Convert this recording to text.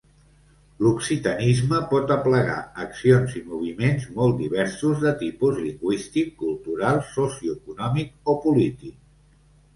L'occitanisme pot aplegar accions i moviments molt diversos, de tipus lingüístic, cultural, socioeconòmic o polític.